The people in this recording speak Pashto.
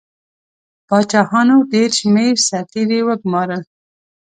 پاچاهانو ډېر شمېر سرتیري وګمارل.